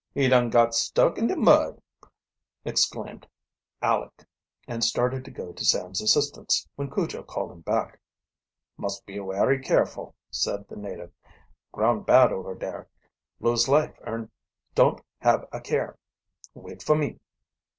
"He dun got stuck in de mud!" exclaimed Aleck, and started to go to Sam's assistance, when Cujo called him back. "Must be werry careful," said the native. "Ground bad over dare lose life if urn don't have a care. Wait fo' me."